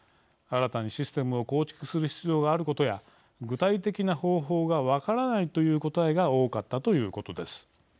新たにシステムを構築する必要があることや具体的な方法が分からないという答えが多かったということです。